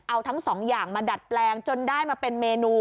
เอาทั้งสองอย่างมาดัดแปลงจนได้มาเป็นเมนู